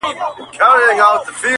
خيرات پر باچا لا روا دئ.